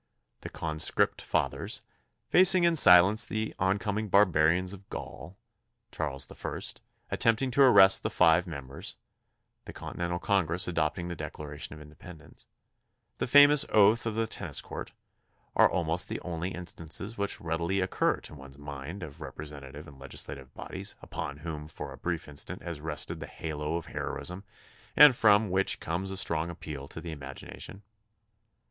The Conscript Fathers, facing in silence the oncoming barbarians of Gaul; Charles the First, attempting to arrest the five members; the Conti nental Congress adopting the Declaration of Inde pendence; the famous Oath of the Tennis Court, are almost the only instances which readily occur to one's mind of representative and legislative bodies upon whom for a brief instant has rested the halo of heroism and from which comes a strong appeal to the imagina tion.